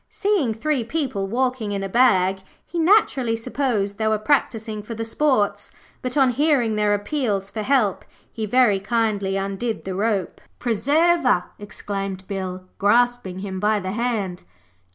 Seeing three people walking in a bag he naturally supposed they were practising for the sports, but on hearing their appeals for help he very kindly undid the rope. 'Preserver,' exclaimed Bill, grasping him by the hand.